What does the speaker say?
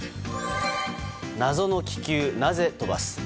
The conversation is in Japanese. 謎の気球、なぜ飛ばす？